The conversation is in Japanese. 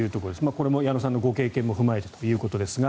これも矢野さんのご経験を踏まえてということですが。